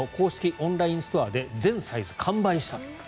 オンラインストアで全サイズ完売したと。